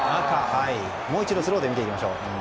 もう一度スローで見てみましょう。